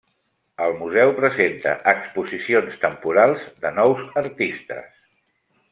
El museu presenta exposicions temporals de nous artistes.